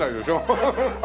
ハハハハ。